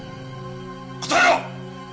答えろ！